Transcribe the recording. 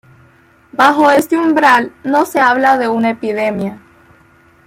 Bajo este umbral, no se habla de una epidemia.